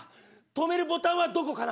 止めるボタンはどこかな？